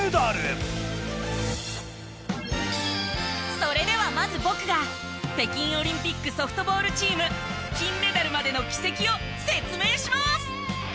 それではまず僕が北京オリンピックソフトボールチーム金メダルまでの軌跡を説明します！